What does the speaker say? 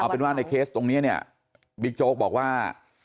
เอาเป็นว่าในเคสตรงนี้บิ๊กโจ๊คบอกว่า